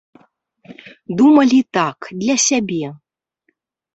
Думалі, так, для сябе.